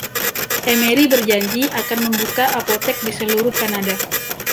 Emery berjanji akan membuka apotek di seluruh Kanada.